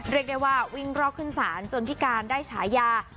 เรียกได้ว่าวิ่งรอกขึ้นศาลจนพิการได้ฉายา